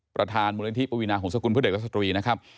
ประธานมูลนิธิปวีนาหงษกุลเพื่อเด็กและสตรีนะครับ